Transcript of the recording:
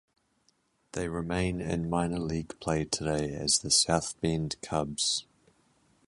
They remain in minor league play today as the South Bend Cubs.